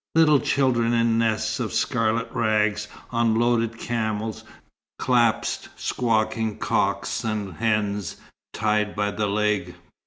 Little children in nests of scarlet rags, on loaded camels, clasped squawking cocks and hens, tied by the leg.